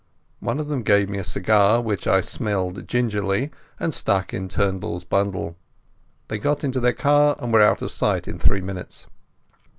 One of them gave me a cigar, which I smelt gingerly and stuck in Turnbull's bundle. They got into their car and were out of sight in three minutes.